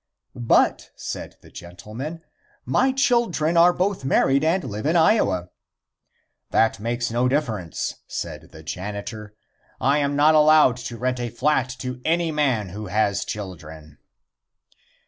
"But," said the gentleman, "my children are both married and live in Iowa." "That makes no difference," said the janitor, "I am not allowed to rent a flat to any man who has children."